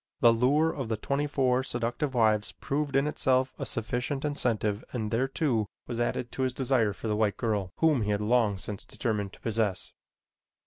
The lure of the twenty four seductive wives proved in itself a sufficient incentive and there, too, was added his desire for the white girl whom he had long since determined to possess.